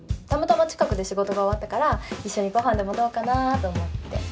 たまたま近くで仕事が終わったから一緒にご飯でもどうかなと思って。